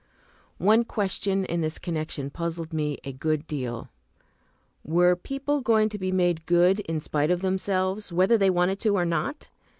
One question in this connection puzzled me a good deal. Were people going to be made good in spite of themselves, whether they wanted to or not?